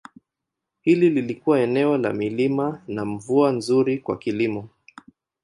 Hili lilikuwa eneo la milima na mvua nzuri kwa kilimo.